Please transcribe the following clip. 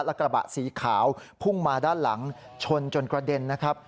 และกระบะสีขาวพุ่งมาด้านหลังชนจนกระเด็นนะครับ